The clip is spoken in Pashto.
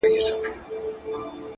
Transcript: فکر وضاحت ګډوډي ختموي!.